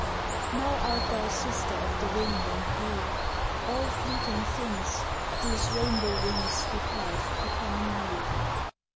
Now art thou sister of the wind and dew All fleeting things Whose rainbow wings Depart to come anew.